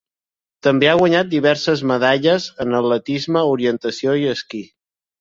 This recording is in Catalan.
També ha guanyat diverses medalles en atletisme, orientació i esquí.